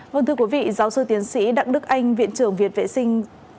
vâng thưa quý vị giáo sư tiến sĩ đặng đức anh viện trưởng viện vệ sinh